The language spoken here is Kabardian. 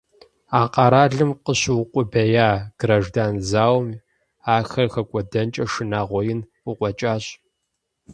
А къэралым къыщыукъубея граждан зауэм ахэр хэкӀуэдэнкӀэ шынагъуэ ин къыкъуэкӀащ.